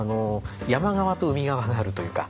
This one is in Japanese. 山側と海側があるというか。